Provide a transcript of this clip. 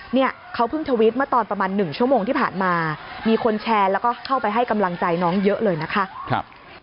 เนี่ยเขาเพิ่งทวิตเมื่อตอนประมาณ๑ชั่วโมงที่ผ่านมามีคนแชร์แล้วก็เข้าไปให้กำลังใจน้องเยอะเลยนะคะ